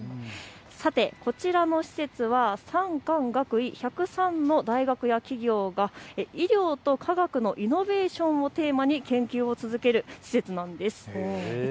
さて、こちらの施設は産官学医１０３の大学や企業が医療と科学のイノベーションをテーマに研究を続ける施設なんです。